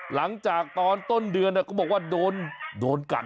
หลังจากตอนต้นเดือนก็บอกว่าโดนกัด